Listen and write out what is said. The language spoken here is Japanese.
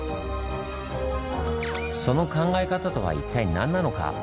その考え方とは一体何なのか？